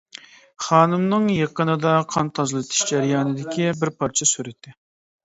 خانىمنىڭ يېقىندا قان تازىلىتىش جەريانىدىكى بىر پارچە سۈرىتى.